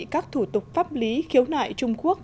các thủ tục pháp lý khiếu nại trung quốc